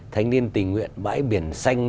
thanh niên tình nguyện mãi biển xanh